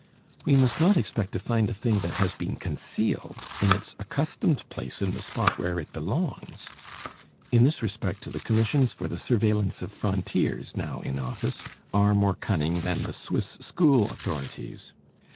We must not expect to find a thing that has been concealed in its accustomed place in the spot where it belongs. In this respect the Commissions for the Surveillance of Frontiers now in office are more cunning than the Swiss school authorities.